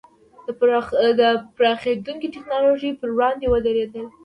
د پراخېدونکې ټکنالوژۍ پر وړاندې ودرېدل.